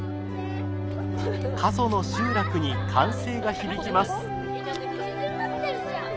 過疎の集落に歓声が響きます。